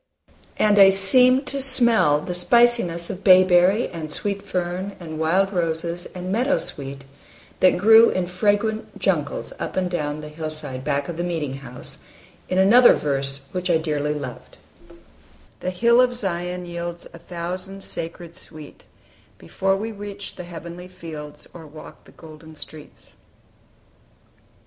And I seemed to smell the spiciness of bay berry and sweet fern and wild roses and meadow sweet that grew in fragrant jungles up and down the hillside back of the meeting house, in another verse which I dearly loved: "The hill of Zion yields A thousand sacred sweet, Before we reach the heavenly fields, Or walk the golden streets."